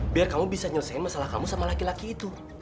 biar kamu bisa nyelesaikan masalah kamu sama laki laki itu